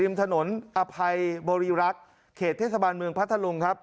ริมถนนอภัยโบรีรัชน์เขตเทรศบาลเมืองพระธรรมครับ